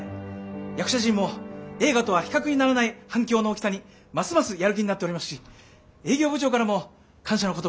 役者陣も映画とは比較にならない反響の大きさにますますやる気になっておりますし営業部長からも感謝の言葉を頂きました。